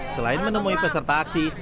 selain menemui peserta aksi